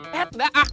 eh enggak ah